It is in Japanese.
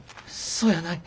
そやない。